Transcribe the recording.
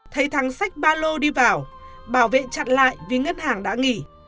thấy thắng sách ba lô đi vào bảo vệ chặt lại vì ngân hàng đã nghỉ